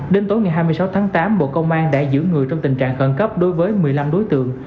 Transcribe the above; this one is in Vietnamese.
đến tối ngày hai mươi sáu tháng tám bộ công an đã giữ người trong tình trạng khẩn cấp đối với một mươi năm đối tượng